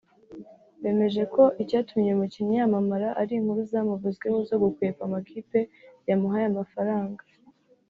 bemeje ko icyatumye uyu mukinnyi yamamara ari inkuru zamuvuzweho zo gukwepa amakipe yamuhaye amafaranga